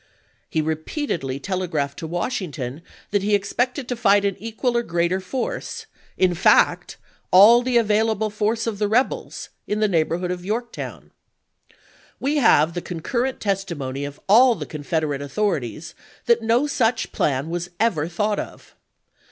He repeatedly telegraphed to Washington that he expected to fight an equal or greater force — in fact, " all the available force of the rebels " in the neighborhood of Yorktown. We have the concur rent testimony of all the Confederate authorities that no such plan was ever thought of.